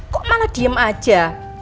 kok mana diem aja